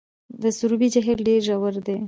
د سروبي جهیل ډیر ژور دی